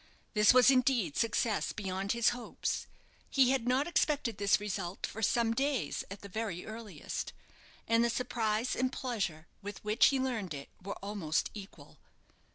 This was indeed success beyond his hopes. He had not expected this result for some days, at the very earliest, and the surprise and pleasure with which he learned it were almost equal.